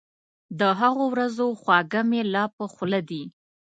د هغو ورځو خواږه مي لا په خوله دي